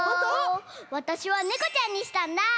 わたしはネコちゃんにしたんだ！